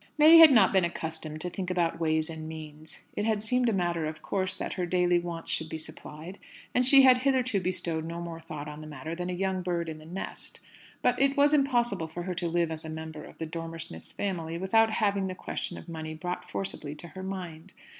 May had not been accustomed to think about ways and means. It had seemed a matter of course that her daily wants should be supplied, and she had hitherto bestowed no more thought on the matter than a young bird in the nest. But it was impossible for her to live as a member of the Dormer Smiths' family without having the question of money brought forcibly to her mind.